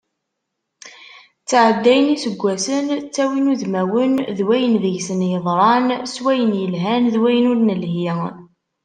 Ttɛeddayen yiseggasen, ttawin udmawen d wayen deg-sen yeḍran, s wayen yelhan d wayen ur nelhi.